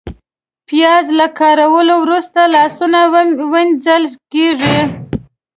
پیاز له کارولو وروسته لاسونه وینځل کېږي